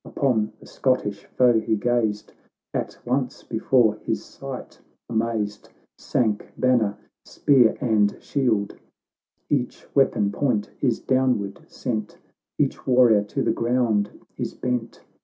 Upon the Scottish foe he gazed —— At once, before his sight amazed, , Sunk banner, spear, and shield; Each weapon point is downward sent, Each warrior to the ground is bent.